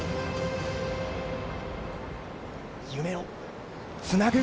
夢をつなぐ。